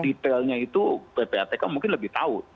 detailnya itu ppatk mungkin lebih tahu